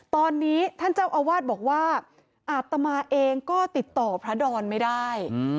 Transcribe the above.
ตอนนี้ท่านเจ้าอาวาสบอกว่าอาตมาเองก็ติดต่อพระดอนไม่ได้